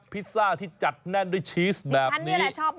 พิซซ่าที่จัดแน่นด้วยชีสแบบนี้